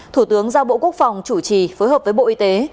thủ tướng giao bộ quốc phòng chủ trì phối hợp với bộ y tế